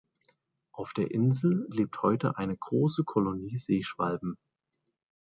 Auf der Insel lebt heute eine große Kolonie Seeschwalben.